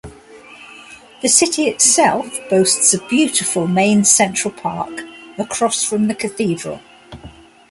The city itself boasts a beautiful main central park across from the cathedral.